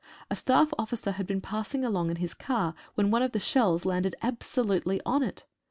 A staff officer had been passing along in his car, when one of the shells landed absolutely on it.